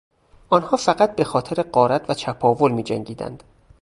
آنها فقط بهخاطر غارت و چپاول میجنگیدند.